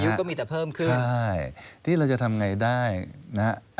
อยู่ก็มีแต่เพิ่มใช่ที่เราจะทำไงได้เนี้ย